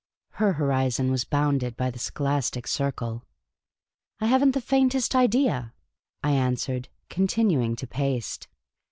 Her horizon was bounded by the scholastic circle. " I have n't the faintest idea," I answered, continuing to paste.